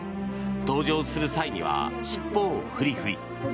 登場する際には尻尾をフリフリ。